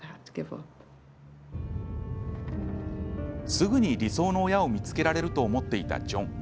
すぐに理想の親を見つけられると思っていたジョン。